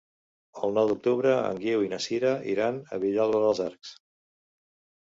El nou d'octubre en Guiu i na Sira iran a Vilalba dels Arcs.